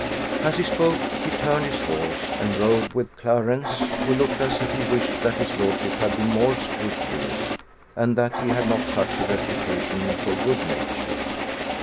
As he spoke he turned his horse, and rode with Clarence, who looked as if he wished that his lordship had been more scrupulous, and that he had not such a reputation for good nature.